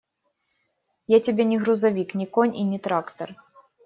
Я тебе не грузовик, не конь и не трактор.